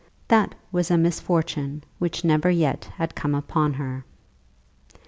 That was a misfortune which never yet had come upon her.